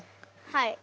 はい。